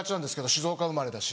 静岡生まれだし。